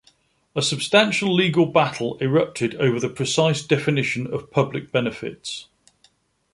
A substantial legal battle erupted over the precise definition of public benefits.